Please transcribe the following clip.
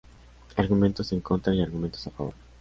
Argumentos en contra y argumentos a favor.